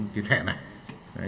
cái thẻ này